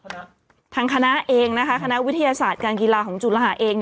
ทางคณะเองนะคะคณะวิทยาศาสตร์การกีฬาของจุฬาเอง